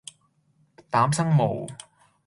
膽生毛